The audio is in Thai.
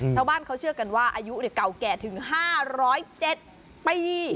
ชาวบ้านเขาเชื่อกันว่าอายุเก่าแก่ถึง๕๐๗ปี